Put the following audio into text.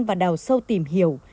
và đào sâu tìm hiểu